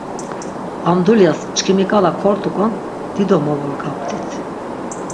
Am dulyas çkimi k̆ala kort̆uk̆on dido movorgap̆t̆it.